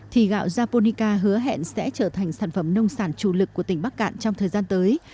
thì gạo japonica hứa hẹn sẽ trở thành sản phẩm nông sản chủ lực của tỉnh bắc cạn trong thời gian tới